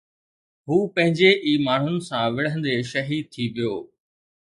هو پنهنجي ئي ماڻهن سان وڙهندي شهيد ٿي ويو